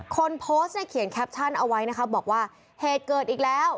คนโพสต์เนี่ยเขียนแคปชั่นเอาไว้นะคะบอกว่าเหตุเกิดอีกแล้ว